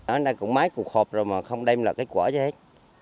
ở đây cũng máy cục hộp rồi mà không đem lại kết quả cho hết